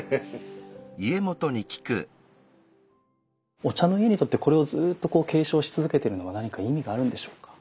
お茶の家にとってこれをずっと継承し続けてるのは何か意味があるんでしょうか？